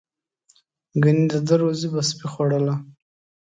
ګنې د ده روزي به سپي خوړله.